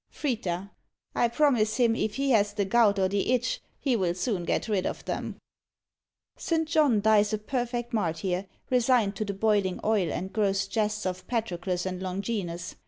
FRITA. I promise him, if he has the gout or the itch, he will soon get rid of them. St. John dies a perfect martyr, resigned to the boiling oil and gross jests of Patroclus and Longinus.